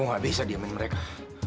aku gak bisa diemenin mereka